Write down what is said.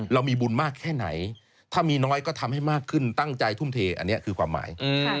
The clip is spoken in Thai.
เรามีบุญมากแค่ไหนถ้ามีน้อยก็ทำให้มากขึ้นตั้งใจทุ่มเทอันนี้คือความหมาย